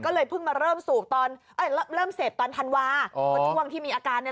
ก็เลยเพิ่งมาเริ่มเสพตอนธันวาค์